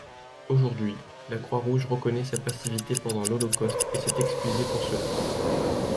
Aujourd'hui, la Croix-Rouge reconnaît sa passivité pendant l'Holocauste et s'est excusée pour cela.